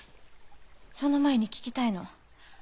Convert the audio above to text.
その前に聞きたいの。